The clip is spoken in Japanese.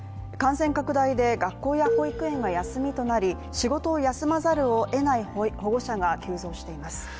感染拡大で学校や保育園が休みとなり、仕事を休まざるをえない保護者が急増しています。